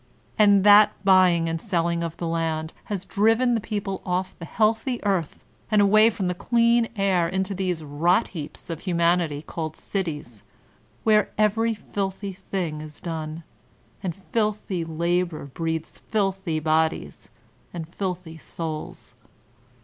And that buying and selling of the land has driven The Eleventh of Novembek^ 1887 169 the people off the healthy earth and away from the clean air into these rot heaps of humanity called cities, where every filthy thing is done, and filthy labor breeds filthy bodies and filthy souls.